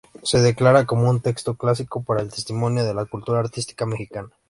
Se declara como un texto clásico para el testimonio de la cultura artística mexicana.